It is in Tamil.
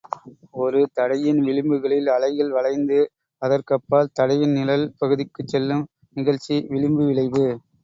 ஒரு தடையின் விளிம்புகளில் அலைகள் வளைந்து அதற்கப்பால் தடையின் நிழல் பகுதிக்குச் செல்லும் நிகழ்ச்சி விளிம்பு விளைவு.